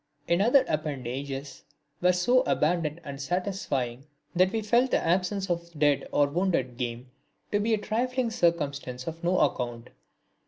Its other appendages were so abundant and satisfying that we felt the absence of dead or wounded game to be a trifling circumstance of no account.